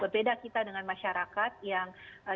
berbeda kita dengan masyarakat yang kita mengandalkan